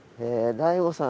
大悟さん